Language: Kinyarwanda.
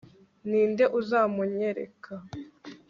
ni nde uzamunyereka